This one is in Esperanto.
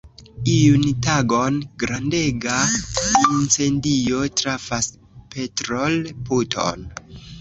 Iun tagon, grandega incendio trafas petrol-puton.